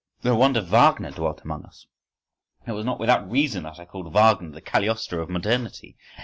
No wonder Wagner dwelt amongst us! It was not without reason that I called Wagner the Cagliostro of modernity.